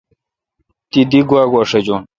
تی دی گوا گوا شجون۔